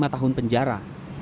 lima tahun penjara